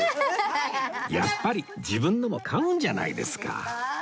やっぱり自分のも買うんじゃないですか